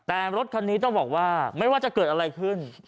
แต่รถคันนี้ต้องบอกว่าไม่ว่าจะเกิดอะไรขึ้น